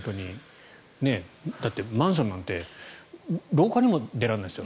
だってマンションなんて廊下にも出られないですよ。